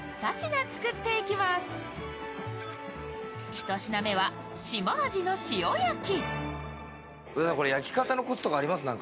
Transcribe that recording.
１品目はシマアジの塩焼き。